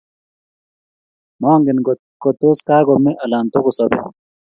Mangen kot ko tos kakome anan toko sobe